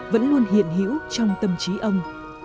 vẫn luôn hiện hữu trong tâm trí ông